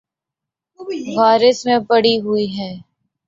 غارت میں پڑی ہوئی ہے۔